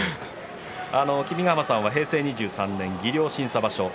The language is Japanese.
君ヶ濱さんは平成２３年技量審査場所